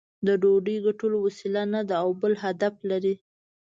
د ډوډۍ ګټلو وسیله نه ده او بل هدف لري.